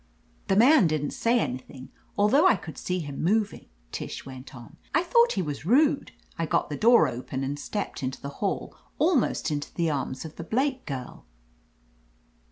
"The man didn't say anything, although I could see him moving," Tish went on, "I thought he was rude. I got the door open and stepped into the hall, almost into the arms of the Blake girl.